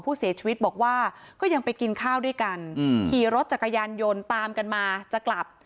ผู้เสียชีวิตบอกว่าก็ยังไปกินข้าวด้วยกันขี่รถจักรยานยนต์ตามกันมาจะกลับ